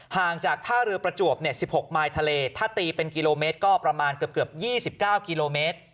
ห่างจากท่าเรือประจวบ๑๖มายทะเลถ้าตีเป็นกิโลเมตรก็ประมาณเกือบ๒๙กิโลเมตร